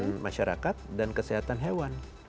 kesehatan masyarakat dan kesehatan hewan